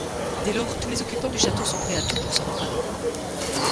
Dès lors, tous les occupants du château sont prêts à tout pour s'en emparer.